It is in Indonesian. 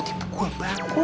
tuh itu emang lo